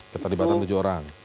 keterlibatan tujuh orang